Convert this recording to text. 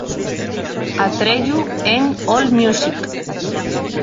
Atreyu en Allmusic